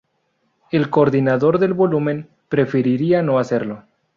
Es coordinador del volumen "Preferiría no hacerlo.